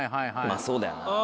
まぁそうだよな。